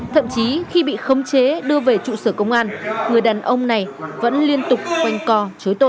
thậm chí khi bị khống chế đưa về trụ sở công an người đàn ông này vẫn liên tục quanh co chối tội